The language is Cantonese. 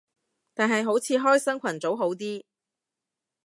但係好似開新群組好啲